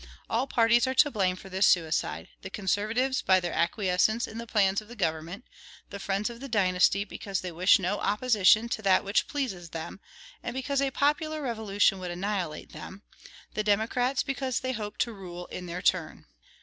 All parties are to blame for this suicide, the conservatives, by their acquiescence in the plans of the government; the friends of the dynasty, because they wish no opposition to that which pleases them, and because a popular revolution would annihilate them; the democrats, because they hope to rule in their turn.